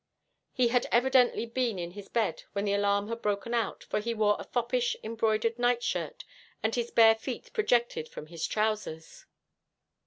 He had evidently been in his bed when the alarm had broken out, for he wore a foppish, embroidered nightshirt, and his bare feet projected from his trousers.